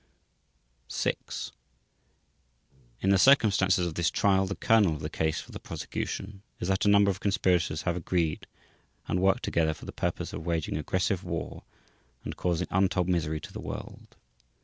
vi) In the circumstances of this trial the kernel of the case for the prosecution is that a number of conspirators have agreed and worked together for the purpose of waging aggressive war and causing untold misery to the World.